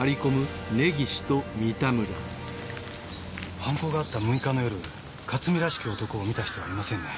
犯行があった６日の夜克巳らしき男を見た人はいませんね。